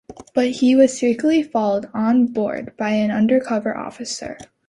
But he was secretly followed on board by an undercover officer.